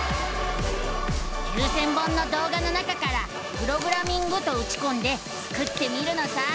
９，０００本の動画の中から「プログラミング」とうちこんでスクってみるのさ！